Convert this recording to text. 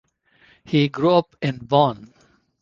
He grew up in Bonn.